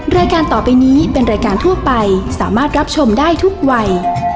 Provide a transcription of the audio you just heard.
รายการต่อไปนี้เป็นรายการทั่วไปสามารถรับชมได้ทุกวัย